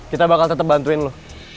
kita bakal tetep bantuin lo